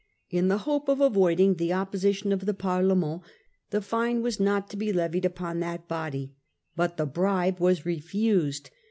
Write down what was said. In the hope of avoiding the opposition of the Parlement the fine was not to be levied upon that body. But the bribe was refused.